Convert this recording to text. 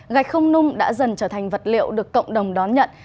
gạch không nung đã dần trở thành vật liệu được cộng đồng đón nhận